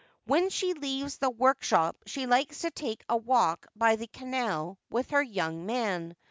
When she leaves the workshop she likes to take a walk by the canal with her young man.